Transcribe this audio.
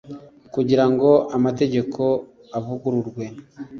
kugira ngo amategeko avugururwe